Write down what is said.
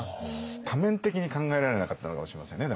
多面的に考えられなかったのかもしれませんねだから。